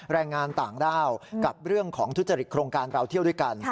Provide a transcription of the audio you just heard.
แรงงานต่างด้าวกับเรื่องของทุจริตโครงการเราเที่ยวด้วยกัน